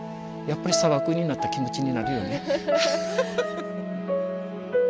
やっぱりサバクイになった気持ちになるよね。